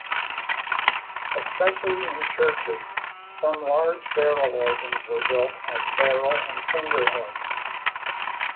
Especially in churches, some large barrel organs were built as "barrel and finger" organs.